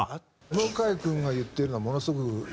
向井君が言っているのはものすごくわかるよ。